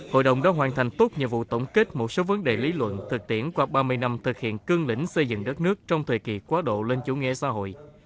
hội đồng đã hoàn thành tốt nhiệm vụ tổng kết một số vấn đề lý luận thực tiễn qua ba mươi năm thực hiện cương lĩnh xây dựng đất nước trong thời kỳ quá độ lên chủ nghĩa xã hội